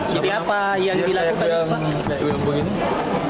jadi apa yang dilakukan